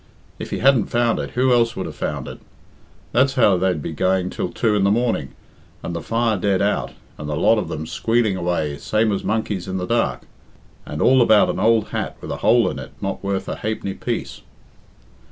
'If he hadn't found it, who else would have found it?' That's how they'd be going till two in the morning, and the fire dead out, and the lot of them squealing away same as monkeys in the dark. And all about an ould hat with a hole in it, not worth a ha'penny piece."